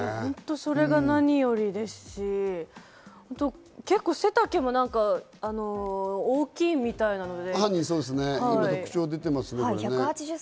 それが何よりですし、背丈も大きいみたいなので。